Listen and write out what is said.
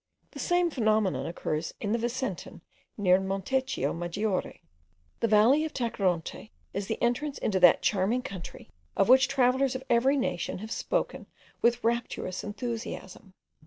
The same phenomenon occurs in the Vicentin, near Montechio Maggiore. The valley of Tacoronte is the entrance into that charming country, of which travellers of every nation have spoken with rapturous enthusiasm.